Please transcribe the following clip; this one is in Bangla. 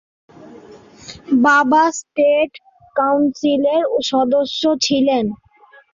বাবা স্টেট কাউন্সিলের সদস্য ছিলেন।